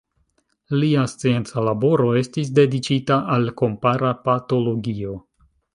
Lia scienca laboro estis dediĉita al kompara patologio.